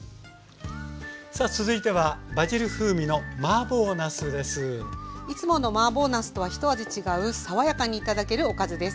さあ続いてはいつものマーボーなすとは一味違う爽やかに頂けるおかずです。